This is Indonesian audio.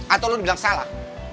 atau lo dibilang salah